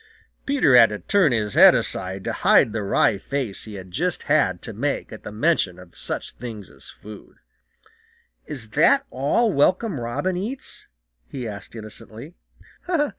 Peter had to turn his head aside to hide the wry face he just had to make at the mention of such things as food. "Is that all Welcome Robin eats?" he asked innocently.